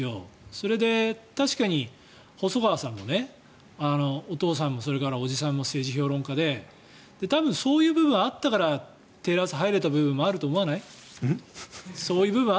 それで、確かに細川さんもお父さんもそれからおじさんも政治評論家で多分、そういう部分があったからテレ朝に入れた部分もあると思わない？